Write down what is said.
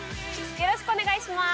よろしくお願いします。